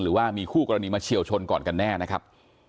หรือว่ามีคู่กรณีมาเฉียวชนก่อนกันแน่นะครับ